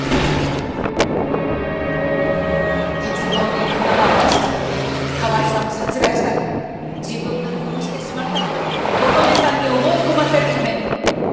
鉄棒に頭を打ちつけて川井さんを殺害したのは自分が殺してしまったと琴音さんに思い込ませるために。